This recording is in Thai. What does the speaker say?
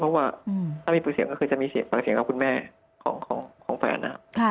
เพราะว่าถ้ามีปากเสียงก็จะมีปากเสียงกับคุณแม่ของแฟน